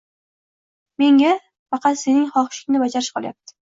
Menga faqat sening xohishingni bajarish qolyapti